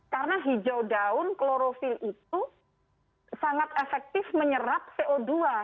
karena hijau daun klorofil itu sangat efektif menyerap co dua